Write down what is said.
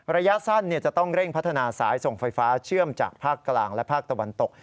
ระยะสั้นจะต้องเร่งพัฒนาสายส่งไฟฟ้าเชื่อมจากภาคกลางและภาคตะวันตก